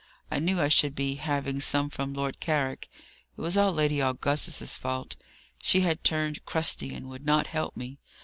I knew I should be having some from Lord Carrick. It was all Lady Augusta's fault. She had turned crusty, and would not help me.